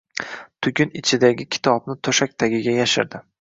tugun ichidagi kitobni toʼshak tagiga yashirdi.